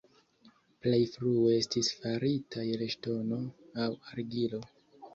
Plej frue estis faritaj el ŝtono aŭ argilo.